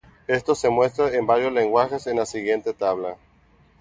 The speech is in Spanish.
Esto se muestra en varios lenguajes en la siguiente tabla.